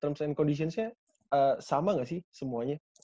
terms and conditionsnya sama gak sih semuanya